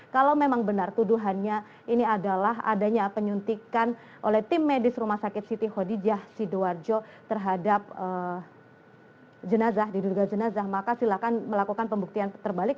kalau memang benar tuduhannya ini adalah adanya penyuntikan oleh tim medis rumah sakit siti hodijah sidoarjo terhadap jenazah diduga jenazah maka silakan melakukan pembuktian terbalik